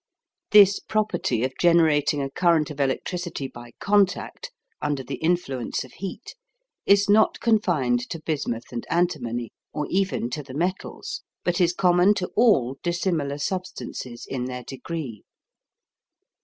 This property of generating a current of electricity by contact under the influence of heat is not confined to bismuth and antimony, or even to the metals, but is common to all dissimilar substances in their degree.